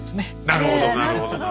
なるほど！